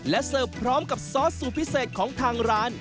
และเสิร์ฟพร้อมกับซอสสูตรพิเศษของทางร้าน